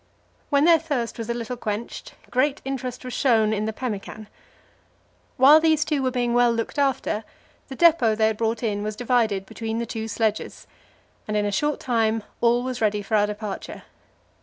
When their thirst was a little quenched, great interest was shown in the pemmican. While these two were being well looked after, the depot they had brought in was divided between the two sledges, and in a short time all was ready for our departure.